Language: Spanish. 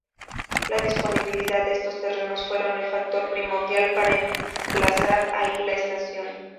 La disponibilidad de estos terrenos fueron el factor primordial para emplazar ahí la estación.